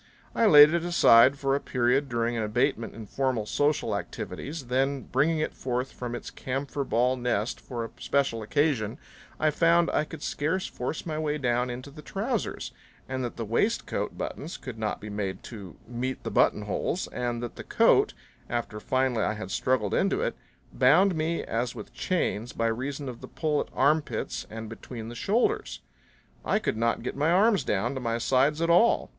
I laid it aside for a period during an abatement in formal social activities; then bringing it forth from its camphor ball nest for a special occasion I found I could scarce force my way down into the trousers, and that the waistcoat buttons could not be made to meet the buttonholes, and that the coat, after finally I had struggled into it, bound me as with chains by reason of the pull at armpits and between the shoulders. I could not get my arms down to my sides at all.